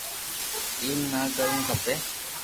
ايم ني ڪرووُ کپي